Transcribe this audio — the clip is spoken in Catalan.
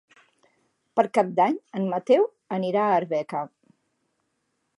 Per Cap d'Any en Mateu anirà a Arbeca.